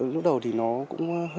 lúc đầu thì nó cũng hơi khó